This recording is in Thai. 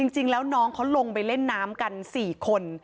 จริงแล้วน้องเขาลงไปเล่นน้ำกัน๔คน